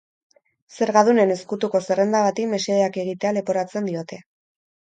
Zergadunen ezkutuko zerrenda bati mesedeak egitea leporatzen diote.